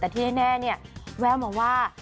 แต่ที่แน่เนี่ยแววมาว่า